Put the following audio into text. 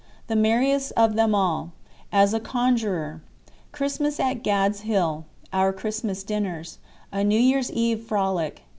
—The merriest of them all.—As a conjurer.—Christmas at "Gad's Hill."—Our Christmas dinners.—A New Year's Eve frolic.